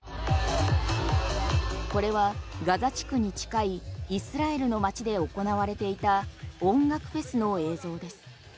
これはガザ地区に近いイスラエルの街で行われていた音楽フェスの映像です。